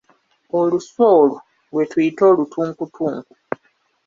Olusu olwo lwe tuyita olutunkutunku .